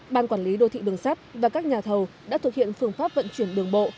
ban quản lý đô thị đường sắt và các nhà thầu đã thực hiện phương pháp vận chuyển đường bộ